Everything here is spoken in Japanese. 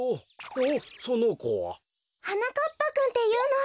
おっそのこは？はなかっぱくんっていうの。